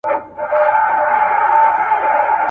بس یو امید دی لا راته پاته !.